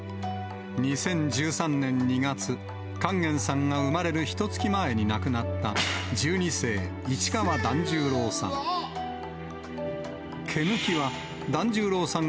２０１３年２月、勸玄さんが生まれるひとつき前に亡くなった、十二世市川團十郎さん。